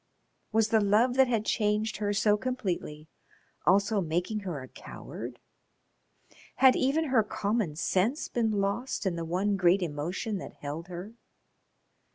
Was the love that had changed her so completely also making her a coward? Had even her common sense been lost in the one great emotion that held her?